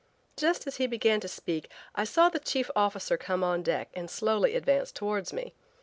Just as he began to speak I saw the chief officer come on deck and slowly advance towards me.